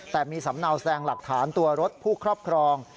แต่มีสำเนาแซงหลักฐานตัวรถผู้ครอบครอง